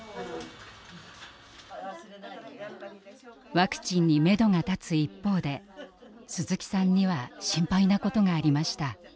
ワクチンにめどが立つ一方で鈴木さんには心配なことがありました。